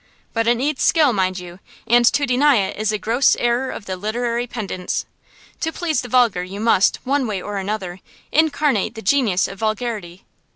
But it needs skill, mind you: and to deny it is a gross error of the literary pedants. To please the vulgar you must, one way or another, incarnate the genius of vulgarity.